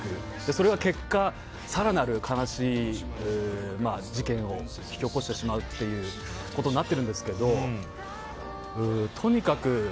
それが結果、更なる悲しい事件を引き起こしてしまうということになってるんですけどとにかく